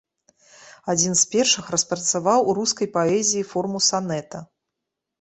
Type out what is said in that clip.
Адзін з першых распрацаваў у рускай паэзіі форму санета.